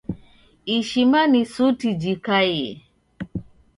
Ishima ni suti jikaiye.